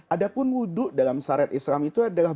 ada pun wudhu dalam syariat islam itu adalah